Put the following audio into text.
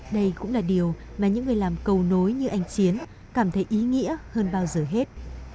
đây cũng là điều mà những người làm cầu nối như anh chiến cảm thấy ý nghĩa hơn bao giờ hết